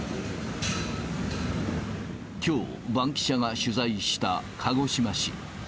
きょう、バンキシャが取材した鹿児島市。